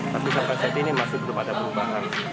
tapi sampai saat ini masih belum ada perubahan